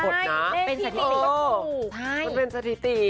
เลขที่ที่๑ก็ถูกใช่มันเป็นสถิติ